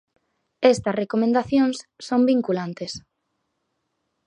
Estas recomendacións son vinculantes.